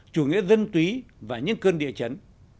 chủ nghĩa dân túy và những cơn địa chấn